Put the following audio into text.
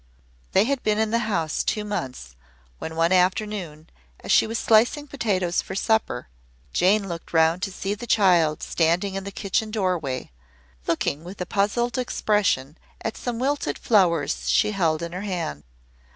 They had been in the house two months, when one afternoon, as she was slicing potatoes for supper, Jane looked round to see the child standing at the kitchen doorway, looking with a puzzled expression at some wilted flowers she held in her hand.